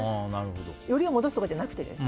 よりを戻すとかじゃなくて。